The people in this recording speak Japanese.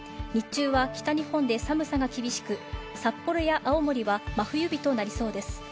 日中は北日本で寒さが厳しく、札幌や青森は真冬日となりそうです。